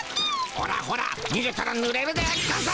ほらほらにげたらぬれるでゴンス！